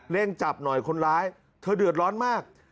่งจับหน่อยคนร้ายเธอเดือดร้อนมาก